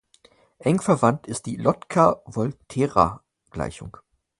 Eng verwandt ist die Lotka-Volterra-Gleichung.